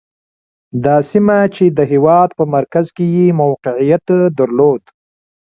دا سیمه چې د هېواد په مرکز کې یې موقعیت درلود.